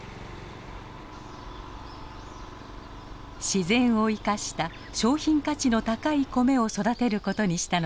自然を生かした商品価値の高い米を育てることにしたのです。